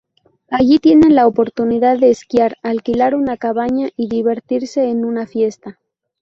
Allí tienen la oportunidad de esquiar, alquilar una cabaña y divertirse en una fiesta.